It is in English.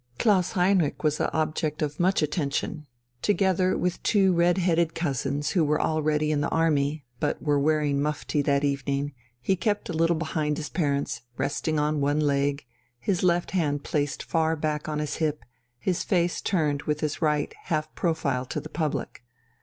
Klaus Heinrich was the object of much attention. Together with two red headed cousins who were already in the army, but were wearing mufti that evening, he kept a little behind his parents, resting on one leg, his left hand placed far back on his hip, his face turned with his right half profile to the public.